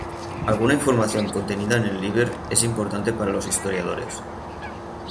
Alguna información contenida en el "Liber" es importante para los historiadores.